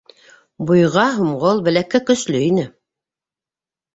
Буйға һомғол, беләккә көслө ине!